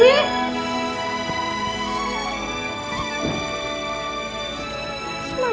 pertama kali jari kamu